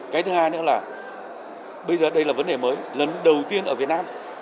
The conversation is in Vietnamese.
cái thứ hai nữa là bây giờ đây là vấn đề mới lần đầu tiên ở việt nam